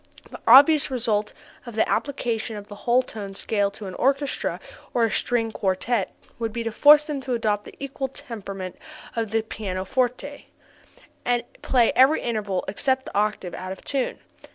The obvious result of the application of the whole tone scale to an orchestra or a string quartet would be to force them to adopt the equal temperament of the pianoforte, and play every interval except the octave out of tune.